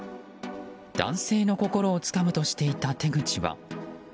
男性の心をつかむとしていた手口は。